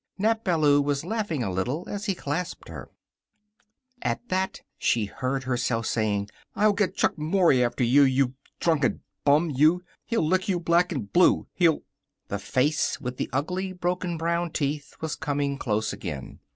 Nap Ballou was laughing a little as he clasped her. At that she heard herself saying: "I'll get Chuck Mory after you you drunken bum, you! He'll lick you black and blue. He'll " The face, with the ugly, broken brown teeth, was coming close again.